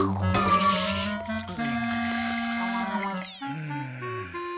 うん。